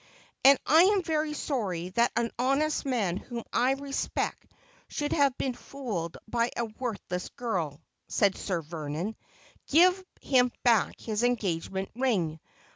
' And I am very sorry that an hunest man whom I respect should have been fooled by a worthless girl,' said Sir Vernon. ' Give him back his engagement ring.